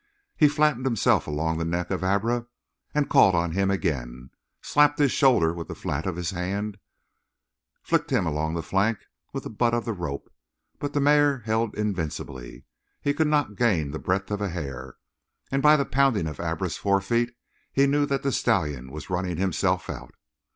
He flattened himself along the neck of Abra and called on him again, slapped his shoulder with the flat of his hand, flicked him along the flank with the butt of the rope; but the mare held him invincibly; he could not gain the breadth of a hair, and by the pounding of Abra's forefeet he knew that the stallion was running himself out.